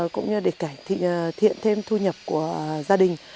cũng như để cải thiện thêm thu nhập của gia đình